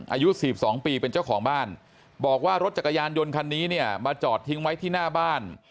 อายุ๔๒ปีเป็นเจ้าของบ้านบอกว่ารถจักรยานยนต์คันนี้เนี่ยมาจอดทิ้งไว้ที่หน้าบ้าน